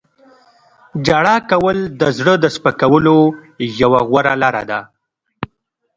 • ژړا کول د زړه د سپکولو یوه غوره لاره ده.